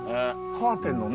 カーテンのね